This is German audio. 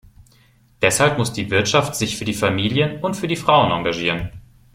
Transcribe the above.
Deshalb muss die Wirtschaft sich für die Familien und für die Frauen engagieren!